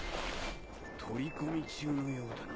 取り込み中のようだな。